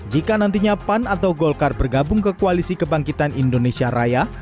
jika nantinya pan atau golkar bergabung ke koalisi kebangkitan indonesia raya